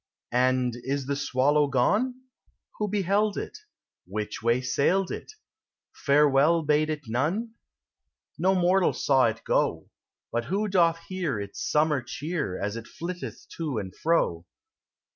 And is the swallow gone? Who beheld it? Which way sailed it? Farewell bade it none? No mortal saw it go; — But who doth hear Its summer cheer As it flitted) to and fro?